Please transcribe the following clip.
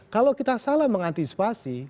kalau kita salah mengantisipasi